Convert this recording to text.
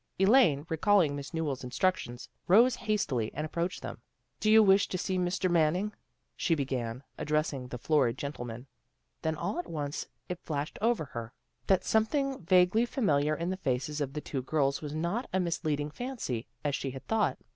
Elaine, recalling Miss NewelFs instructions, rose hastily and approached them. " Did you wish to see Mr. Mannering? " she began, addressing the florid gentleman. Then all at once it flashed over her that the 286 THE GIRLS OF FRIENDLY TERRACE something vaguely familiar in the faces of the two girls was not a misleading fancy, as she had thought.